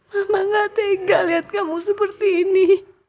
mama gak tega lihat kamu seperti ini